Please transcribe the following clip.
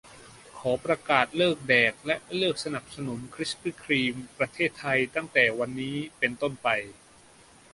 ขอประกาศเลิกแดกและเลิกสนับสนุนคริสปี้ครีม ประเทศไทย ตั้งแต่วันนี้เป็นต้นไป